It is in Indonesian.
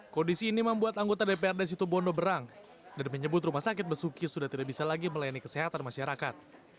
kondisi ini membuat anggota dprd situbondo berang dan menyebut rumah sakit besuki sudah tidak bisa lagi melayani kesehatan masyarakat